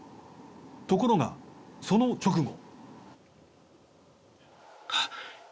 ところがその直後。